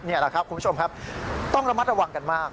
นี่แหละครับคุณผู้ชมครับต้องระมัดระวังกันมาก